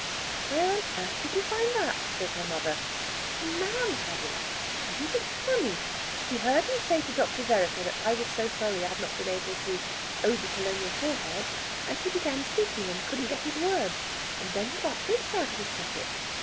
"Where on earth did you find that?" says her mother. "The man had it. Wasn't it funny? He heard me say to Dr. Vereker that I was so sorry I'd not been able to eau de Cologne your forehead, and he began speaking and couldn't get his words. Then he got this out of his pocket.